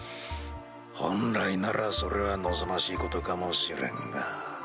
本来ならそれは望ましいことかもしれんが。